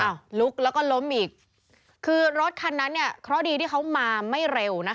ลุกแล้วก็ล้มอีกคือรถคันนั้นเนี่ยเคราะห์ดีที่เขามาไม่เร็วนะคะ